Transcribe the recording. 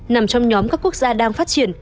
nằm trong nhóm các quốc gia đang phát triển